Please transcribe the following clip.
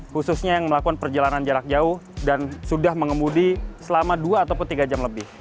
khususnya yang melakukan perjalanan jarak jauh dan sudah mengemudi selama dua atau tiga jam lebih